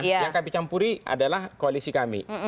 yang kami campuri adalah koalisi kami